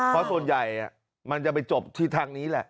เพราะส่วนใหญ่มันจะไปจบที่ทางนี้แหละ